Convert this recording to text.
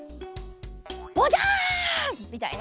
ボジャン！みたいな。